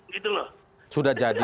gitu loh sudah jadi